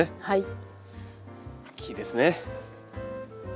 はい。